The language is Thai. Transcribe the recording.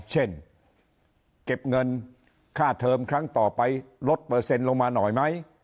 เช่นเก็บเงินค่าเทิมครั้งต่อไปลดเปอร์เซ็นต์ลงมาหน่อยไหม